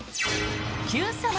「Ｑさま！！」